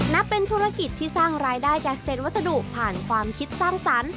นับเป็นธุรกิจที่สร้างรายได้จากเศษวัสดุผ่านความคิดสร้างสรรค์